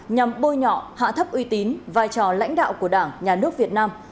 nhằm bôi nhọ hạ thấp uy tín vai trò lãnh đạo của đảng nhà nước việt nam